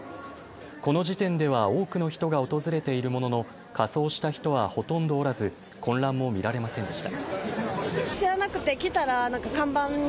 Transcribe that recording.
この時点では多くの人が訪れているものの仮装した人はほとんどおらず混乱も見られませんでした。